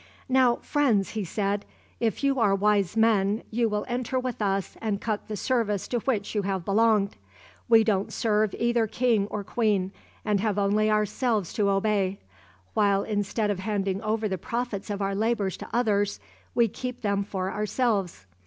"Now, friends," he said, "if you are wise men, you will enter with us and cut the service to which you have belonged. We don't serve either king or queen, and have only ourselves to obey, while instead of handing over the profits of our labours to others we keep them for ourselves.